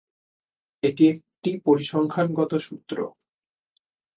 এটি একটি পরিসংখ্যানগত সূত্র।